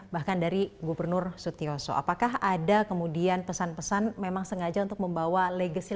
bahkan dari gubernur sutyoso apakah ada kemudian pesan pesan memang sengaja untuk membawa legacy